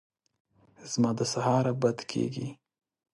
زما د سهاره بد کېږي !